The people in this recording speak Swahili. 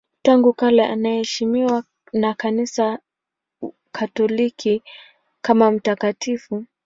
Tangu kale anaheshimiwa na Kanisa Katoliki kama mtakatifu.